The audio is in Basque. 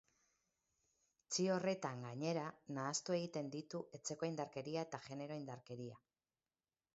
Txio horretan, gainera, nahastu egiten ditu etxeko indarkeria eta genero indarkeria.